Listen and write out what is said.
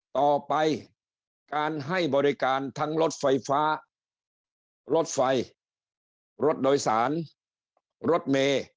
ต่อไปการให้บริการทั้งรถไฟฟ้ารถไฟรถโดยสารรถเมย์